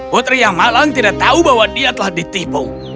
putri yang malang tidak tahu bahwa dia telah ditipu